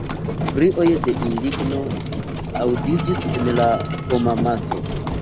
Krioj de indigno aŭdiĝis en la homamaso.